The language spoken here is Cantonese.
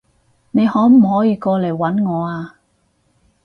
你可唔可以過嚟搵我啊？